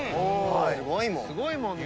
すごいもん。